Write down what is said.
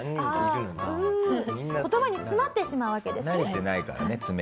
言葉に詰まってしまうわけですね。